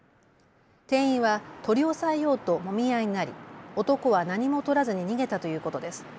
店員は取り押さえようともみ合いになり男は何もとらずに逃げたということです。